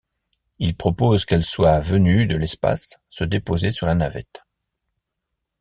Il propose qu'elles soient venues de l'espace se déposer sur la navette.